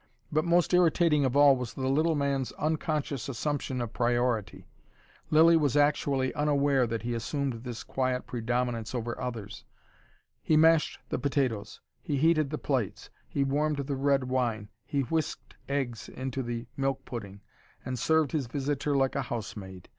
But most irritating of all was the little man's unconscious assumption of priority. Lilly was actually unaware that he assumed this quiet predominance over others. He mashed the potatoes, he heated the plates, he warmed the red wine, he whisked eggs into the milk pudding, and served his visitor like a housemaid.